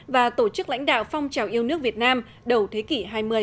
và tổ chức lãnh đạo phong trào yêu nước việt nam đầu thế kỷ hai mươi